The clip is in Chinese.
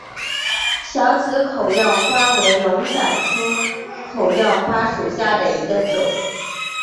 小籽口药花为龙胆科口药花属下的一个种。